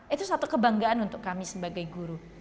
itu satu kebanggaan untuk kami sebagai guru